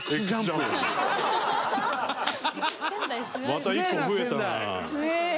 また１個増えたな。